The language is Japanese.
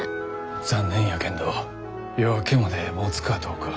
残念やけんど夜明けまでもつかどうか。